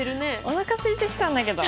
おなかすいてきたんだけど。